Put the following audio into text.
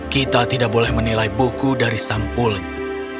kita tidak boleh menilai buku dari sampulnya